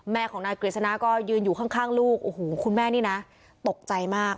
แม่ของนายกฤษณะก็ยืนอยู่ข้างลูกโอ้โหคุณแม่นี่นะตกใจมาก